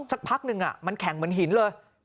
สักพักหนึ่งมันแข่งเหมือนหินเลย